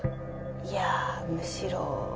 いやむしろ。